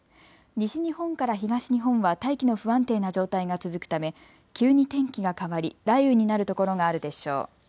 西日本から東日本は大気の不安定な状態が続くため急に天気が変わり雷雨になる所があるでしょう。